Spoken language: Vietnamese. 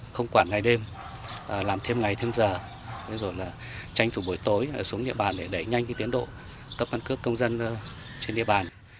không quản ngày đêm làm thêm ngày thêm giờ rồi là tranh thủ buổi tối xuống địa bàn để đẩy nhanh tiến độ cấp căn cước công dân trên địa bàn